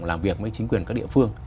làm việc với chính quyền các địa phương